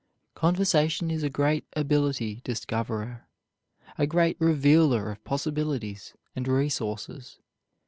Conversation is a great ability discoverer, a great revealer of possibilities and resources.